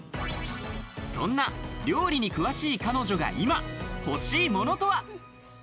そんな料理に詳しい彼女が今欲しいものとは？